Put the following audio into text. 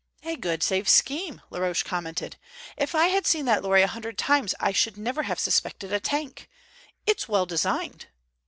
"A good safe scheme," Laroche commented. "If I had seen that lorry a hundred times I should never have suspected a tank. It's well designed."